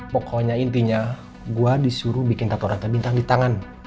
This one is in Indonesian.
pokoknya intinya gue disuruh bikin tato rantai bintang di tangan